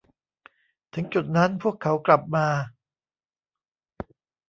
ถึงจุดนั้นพวกเขากลับมา